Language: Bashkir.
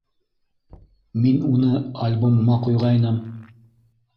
Мин уны... альбомыма ҡуйғайным!..